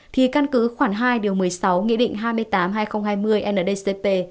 thì căn cứ khoảng hai điều một mươi sáu nghị định hai mươi tám hai nghìn hai mươi ndcp